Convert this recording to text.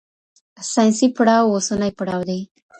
ساینسي پړاو اوسنی پړاو دی.